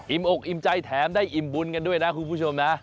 อกอิ่มใจแถมได้อิ่มบุญกันด้วยนะคุณผู้ชมนะ